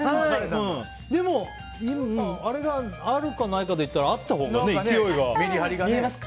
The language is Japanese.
でもあれがあるかないかでいったらあったほうが勢いがね。